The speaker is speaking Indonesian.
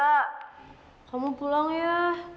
bajak kamu pulang ya